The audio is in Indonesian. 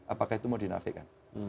apakah itu mau dinafikan